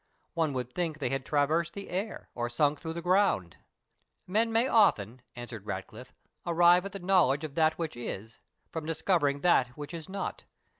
One would think they had traversed the air, or sunk through the ground." "Men may often," answered Ratcliffe, "arrive at the knowledge of that which is, from discovering that which is not.